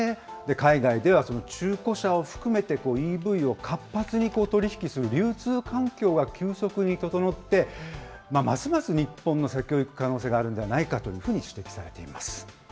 海外ではその中古車を含めて、ＥＶを活発に取り引きする流通環境が急速に整って、ますます日本の先を行く可能性が指摘されています。